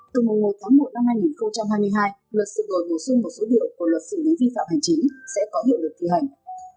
từ ngày một tháng một năm hai nghìn hai mươi hai luật sự gồi bổ sung một số điệu của luật sự đến vi phạm hành chính sẽ có hiệu lực thi hành